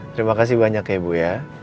terima kasih banyak ya bu ya